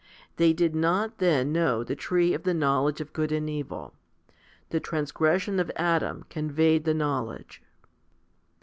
They did not, then, know the tree of the knowledge of good and evil. The trans gression of Adam conveyed the knowledge.